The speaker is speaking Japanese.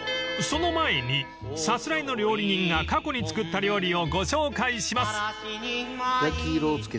［その前にさすらいの料理人が過去に作った料理をご紹介します］